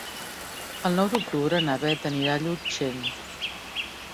El nou d'octubre na Beth anirà a Llutxent.